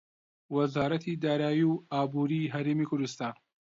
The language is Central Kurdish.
وەزارەتی دارایی و ئابووری هەرێمی کوردستان